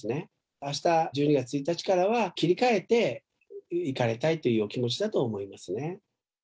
あした１２月１日からは切り替えていかれたいというお気持ちだと思いますね。